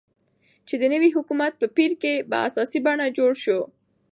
چې د نوي حكومت په پير كې په اساسي بڼه جوړ شو،